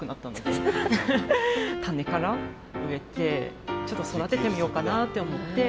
種から植えてちょっと育ててみようかなって思ってはい。